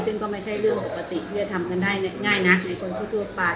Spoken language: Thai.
ซึ่งก็ไม่ใช่เรื่องปกติที่จะทำกันได้ง่ายนะในคนทั่วไป